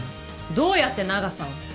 どうやって長さを。